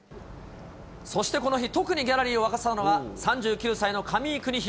そしてこの日、特にギャラリーを沸かせたのは３９歳の上井邦裕。